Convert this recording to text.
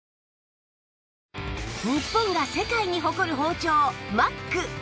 日本が世界に誇る包丁 ＭＡＣ